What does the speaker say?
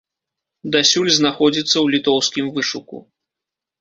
Дасюль знаходзіцца ў літоўскім вышуку.